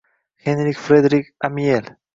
Henri Frederik Amiel